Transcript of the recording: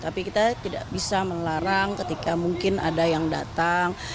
tapi kita tidak bisa melarang ketika mungkin ada yang datang